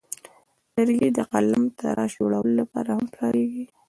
لرګی د قلمتراش جوړولو لپاره هم کاریږي.